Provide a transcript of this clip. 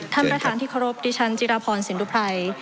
ท่านประธานที่เคารพดิฉันจิรพรสินทุภัย